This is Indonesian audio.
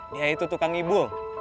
dia itu tukang ibu